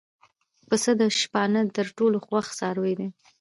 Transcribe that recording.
پسه د شپانه تر ټولو خوښ څاروی وي.